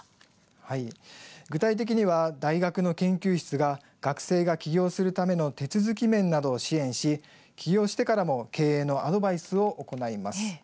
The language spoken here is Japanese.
具体的には、大学の研究室が学生が起業するための手続き面などを支援し起業してからも経営のアドバイスを行います。